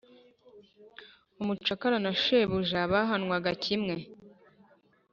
Umucakara na shebuja bahanwaga kimwe,